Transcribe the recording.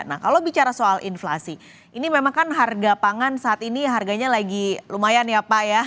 nah kalau bicara soal inflasi ini memang kan harga pangan saat ini harganya lagi lumayan ya pak ya